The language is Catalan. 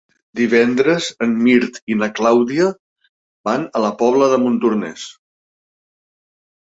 Divendres en Mirt i na Clàudia van a la Pobla de Montornès.